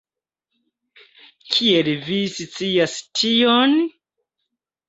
Kiel vi scias tion?